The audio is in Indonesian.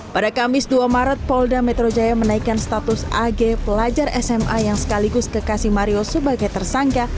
pada kamis dua maret polda metro jaya menaikkan status ag pelajar sma yang sekaligus kekasih mario sebagai tersangka